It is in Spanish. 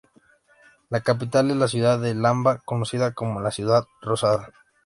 La capital es la ciudad de Lampa, conocida como la Ciudad Rosada.